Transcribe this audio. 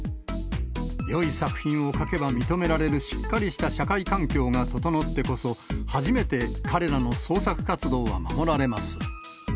よい作品を描けば認められるしっかりした社会環境が整ってこそ、初めて彼らの創作活動は守られます。